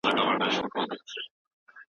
انلاين فورمونه معلومات تبادله کوي.